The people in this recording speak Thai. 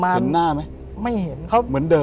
ผมก็ไม่เคยเห็นว่าคุณจะมาทำอะไรให้คุณหรือเปล่า